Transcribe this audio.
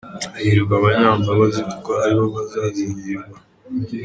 Hahirwa abanyambabazi, Kuko ari bo bazazigirirwa